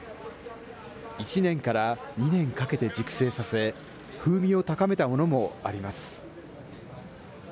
１年から２年かけて熟成させ、風味を高めたものもあります。